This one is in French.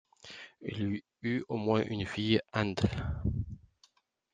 Il eut au moins une fille, Änndl.